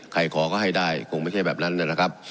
ขอก็ให้ได้คงไม่ใช่แบบนั้นนะครับ